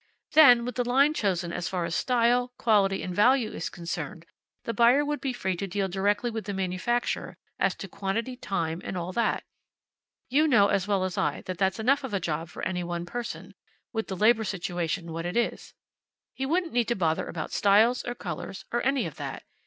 Then, with the line chosen as far as style, quality, and value is concerned, the buyer would be free to deal directly with the manufacturer as to quantity, time, and all that. You know as well as I that that's enough of a job for any one person, with the labor situation what it is. He wouldn't need to bother about styles or colors, or any of that.